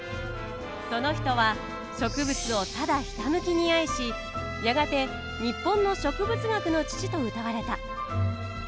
その人は植物をただひたむきに愛しやがて日本の植物学の父とうたわれた。